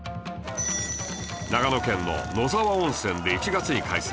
長野県の野沢温泉で１月に開催